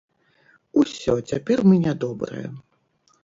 Усё, цяпер мы нядобрыя.